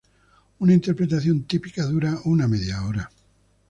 Una interpretación típica dura una media hora.